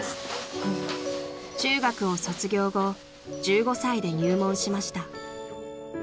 ［中学を卒業後１５歳で入門しました］